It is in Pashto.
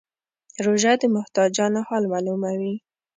روژه د محتاجانو حال معلوموي.